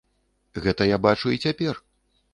Гэта я бачу і цяпер.